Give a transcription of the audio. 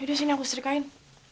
yaudah sini aku serikain